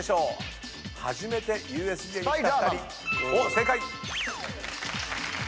正解！